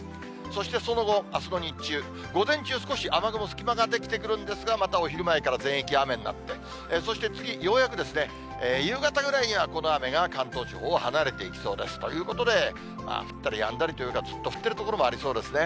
そしてその後、あすの日中、午前中、少し雨雲、隙間が出来てくるんですが、またお昼前から全域雨になって、そして次、ようやく夕方ぐらいには、この雨が関東地方を離れていきそうですということで、降ったりやんだりというか、ずっと降ってる所もありそうですね。